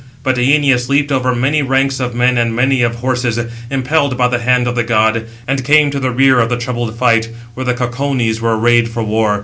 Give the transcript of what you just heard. But Æneas leaped over many ranks of men and many of horses, impelled by the hand of the god, and came to the rear of the troubled fight, where the Caucones were arrayed for war.